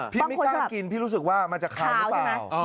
พี่ไม่กล้ากินพี่รู้สึกว่ามันจะค้างหรือเปล่า